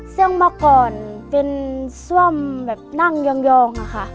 ซึ่งเมื่อก่อนเป็นซ่วมแบบนั่งยองอะค่ะ